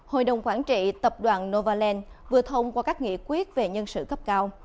hội đồng quản trị tập đoàn novaland vừa thông qua các nghị quyết về nhân sự cấp cao